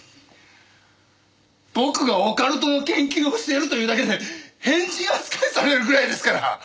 僕がオカルトの研究をしているというだけで変人扱いされるぐらいですから。